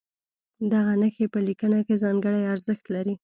دغه نښې په لیکنه کې ځانګړی ارزښت لري.